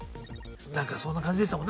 なんかそんな感じでしたもんね